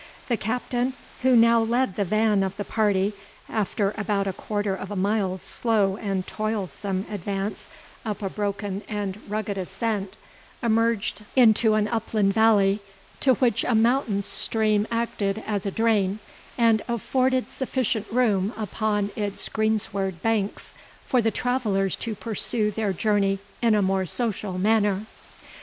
The Captain, who now led the van of the party, after about a quarter of a mile's slow and toilsome advance up a broken and rugged ascent, emerged into an upland valley, to which a mountain stream acted as a drain, and afforded sufficient room upon its greensward banks for the travellers to pursue their journey in a more social manner.